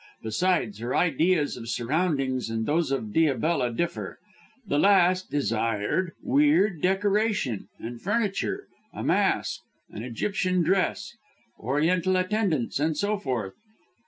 Besides, her ideas of surroundings and those of Diabella differ. The last desired weird decoration and furniture, a mask, an Egyptian dress, Oriental attendants, and so forth.